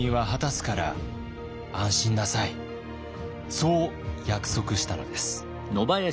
そう約束したのです。